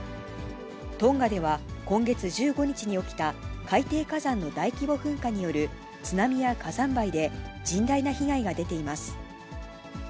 トンガでは今月１５日に起きた海底火山の大規模噴火による津波や火山灰で、甚大な被害が出ています。